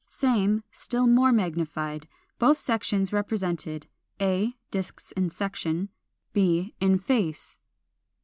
Same, still more magnified; both sections represented: a, disks in section, b, in face.